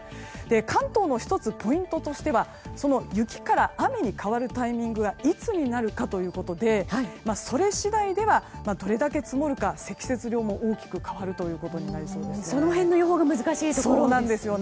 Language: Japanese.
関東の１つポイントとしては雪から雨になるタイミングがいつになるかということでそれ次第ではどれだけ積もるか積雪量も大きく変わるという予報ですね。